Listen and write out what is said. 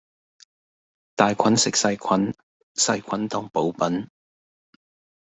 大菌食細菌,細菌當補品